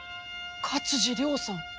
勝地涼さん！